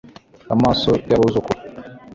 amaso y'abuzukuru